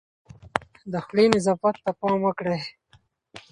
د خولې نظافت ته پام وکړئ.